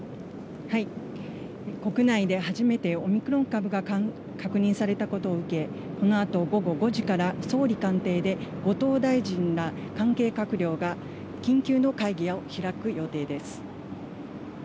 国内で初めてオミクロン株が確認されたことを受け、このあと午後５時から総理官邸で後藤大臣ら関係閣僚が緊急の会議を開く予定です。